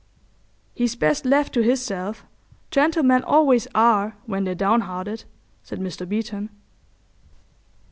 "He's best left to hisself—gentlemen always are when they're downhearted," said Mr. Beeton.